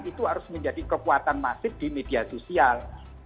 itu harus menjadi kekuatan masif di media sosial